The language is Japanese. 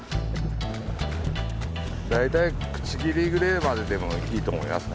大体口切りぐれえまででもいいと思いますね。